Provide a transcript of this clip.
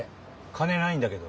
金ないんだけど。